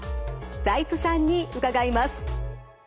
財津さんに伺います。